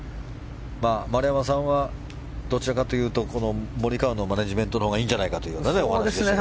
丸山さんはどちらかというとモリカワのマネジメントのほうがいいんじゃないかというお話でしたが。